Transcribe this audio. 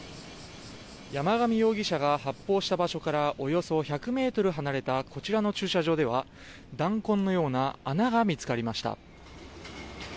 山上容疑者が発砲した場所からおよそ１００ｍ離れたこちらの駐車場では弾痕のような穴が見つかりました。